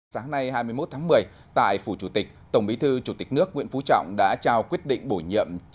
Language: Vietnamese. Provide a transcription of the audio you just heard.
sáng nay hai mươi một tháng một mươi tại phủ chủ tịch tổng bí thư chủ tịch nước nguyễn phú trọng đã trao quyết định bổ nhiệm